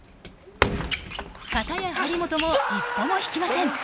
かたや張本も一歩も引きません。